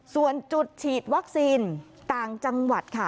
ส่วนจุดฉีดวัคซีนต่างจังหวัดค่ะ